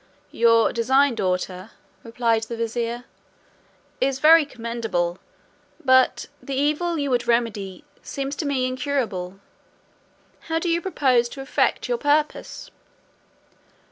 "Your design, daughter," replied the vizier "is very commendable; but the evil you would remedy seems to me incurable. How do you propose to effect your purpose?"